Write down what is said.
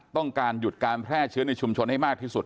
ต้องการหยุดการแพร่เชื้อในชุมชนให้มากที่สุด